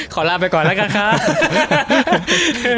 ขอลาไปก่อนแล้วกันครับ